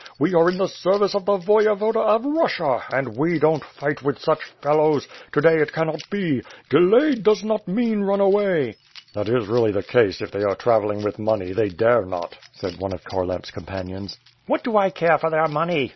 We are in the service of the Voyevoda of Russia and we don't fight with such fellows, to day it cannot be. Delayed does not mean run away." "That is really the case, if they are travelling with money; they dare not," said one of Kharlamp's companions. "What do I care for their money?"